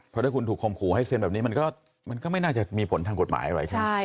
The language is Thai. เพราะถ้าคุณถูกคมขู่ให้เซ็นแบบนี้มันก็ไม่น่าจะมีผลทางกฎหมายอะไรใช่ไหม